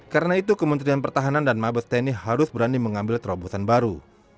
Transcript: karena itu kementerian pertahanan dan mabes tni harus berani mengambil terobosan baru